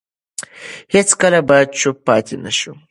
هیڅکله باید چوپ پاتې نه شو.